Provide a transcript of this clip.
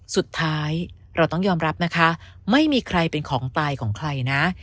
สุดท้ายเราต้องยอมรับนะคะไม่มีใครเป็นของตายของใครนะ